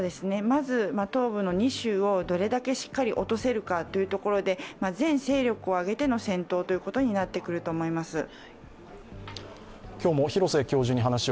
まず東部の２州をどれだけしっかり落とせるかということで全勢力を上げての戦闘ということになると思います。